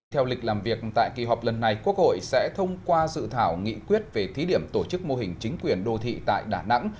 theo lịch làm việc tại kỳ họp lần này quốc hội sẽ thông qua dự thảo nghị quyết về thí điểm tổ chức mô hình chính quyền đô thị tại đà nẵng